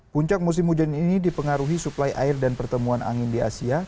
puncak musim hujan ini dipengaruhi suplai air dan pertemuan angin di asia